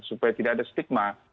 supaya tidak ada stigma